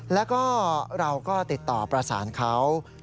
แล้วก็เราก็ติดต่อประสานเขา